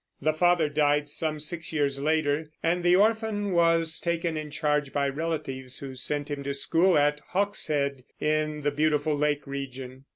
The father died some six years later, and the orphan was taken in charge by relatives, who sent him to school at Hawkshead, in the beautiful lake region.